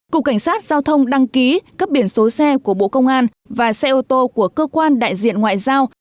cục cảnh sát giao thông đăng ký cấp biển số xe của bộ công an và xe ô tô của cơ quan đại diện ngoại giao